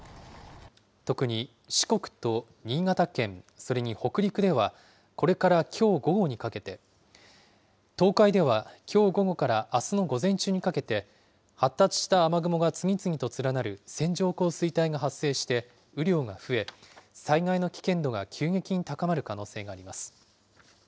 特に四国と新潟県、それに北陸では、これからきょう午後にかけて、東海ではきょう午後からあすの午前中にかけて、発達した雨雲が次々と連なる線状降水帯が発生して雨量が増え、災害の危険度が急激に高まる可能性があります。